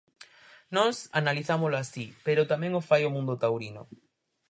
Nós analizámolo así, pero tamén o fai o mundo taurino.